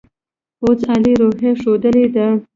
پوځ عالي روحیه ښودلې ده.